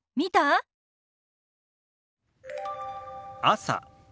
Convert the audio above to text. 「朝」。